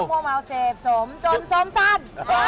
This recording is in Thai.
มั่วเมาเสพสมจนสมสั้น